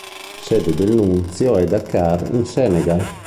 Sede del Nunzio è Dakar in Senegal.